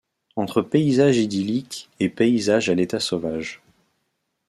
Entre paysages idylliques et paysages à l'état sauvage.